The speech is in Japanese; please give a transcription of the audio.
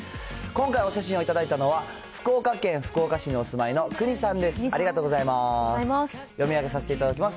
今回お写真を頂いたのは、福岡県福岡市にお住まいのくにさんです。